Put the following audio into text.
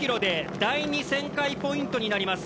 第２旋回ポイントになります。